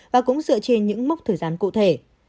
và cũng dựa trên những mốc thời gian cụ thể